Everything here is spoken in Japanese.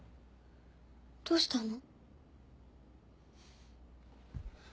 どうしたの？